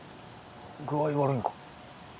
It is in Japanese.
具合悪いんか？